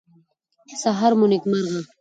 سهار مو نیکمرغه.